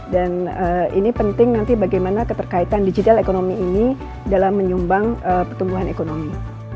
dan ini penting nanti bagaimana keterkaitan digital ekonomi ini dalam menyumbang pertumbuhan ekonomi